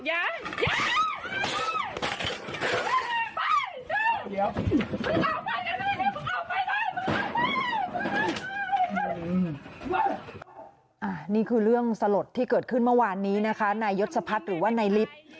นี่คือเรื่องสลดที่เกิดขึ้นเมื่อวานนี้นะคะนายยศพัฒน์หรือว่านายลิฟต์